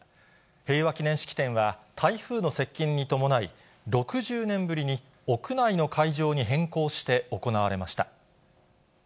平和祈念式典は、台風の接近に伴い、６０年ぶりに屋内の会場に変更して行われました。